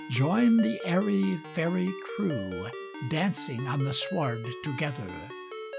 Join the airy fairy crewDancing on the sward together!